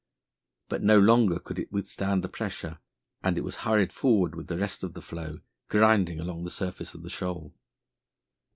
But no longer could it withstand the pressure, and it was hurried forward with the rest of the floe, grinding along the surface of the shoal.